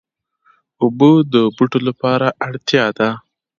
اوبه د بوټو لپاره اړتیا ده.